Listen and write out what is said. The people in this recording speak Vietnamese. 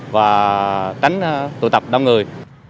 và tránh tụ tập đông người